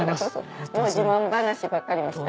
自慢話ばっかりでした。